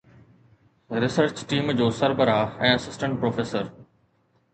research team جو سربراهه ۽ assistant professor